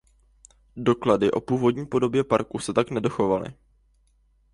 Doklady o původní podobě parku se tak nedochovaly.